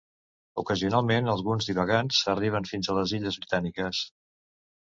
Ocasionalment alguns divagants arriben fins a les illes Britàniques.